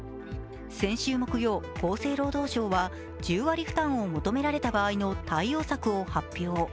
先週木曜、厚生労働省は１０割負担を求められた場合の対応策を発表。